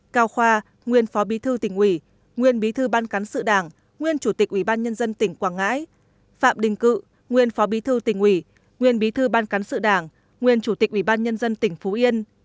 cao khoa nguyên phó bí thư tỉnh ủy nguyên bí thư ban cán sự đảng nguyên chủ tịch ủy ban nhân dân tỉnh quảng ngãi phạm đình cự nguyên phó bí thư tỉnh ủy nguyên bí thư ban cán sự đảng nguyên chủ tịch ủy ban nhân dân tỉnh phú yên